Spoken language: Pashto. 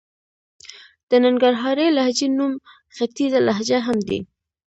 د ننګرهارۍ لهجې نوم ختيځه لهجه هم دئ.